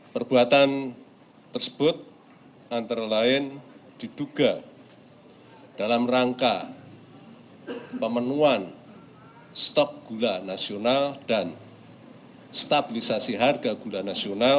perbuatan tersebut antara lain diduga dalam rangka pemenuhan stok gula nasional dan stabilisasi harga gula nasional